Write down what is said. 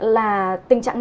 là tình trạng nào